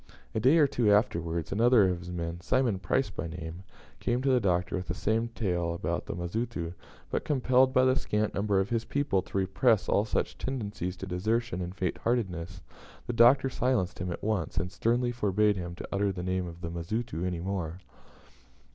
A day or two afterwards, another of his men Simon Price by name came to the Doctor with the same tale about the Mazitu, but, compelled by the scant number of his people to repress all such tendencies to desertion and faint heartedness, the Doctor silenced him at once, and sternly forbade him to utter the name of the Mazitu any more.